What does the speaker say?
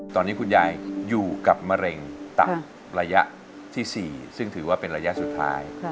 ตอนนี้คุณยายอยู่กับมะเร็งตับระยะที่๔ซึ่งถือว่าเป็นระยะสุดท้าย